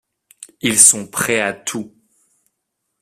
Ils sont prêts à tout.